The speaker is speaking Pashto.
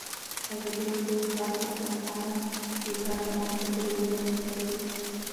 ازادي راډیو د د ښځو حقونه په اړه د کارګرانو تجربې بیان کړي.